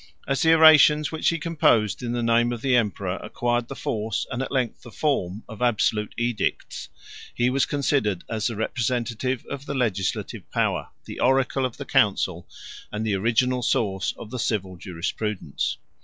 148 As the orations which he composed in the name of the emperor, 149 acquired the force, and, at length, the form, of absolute edicts, he was considered as the representative of the legislative power, the oracle of the council, and the original source of the civil jurisprudence.